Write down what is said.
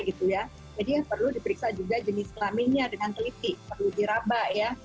tetapi juga perlu diperiksa jenis kelaminnya dengan teliti perlu diraba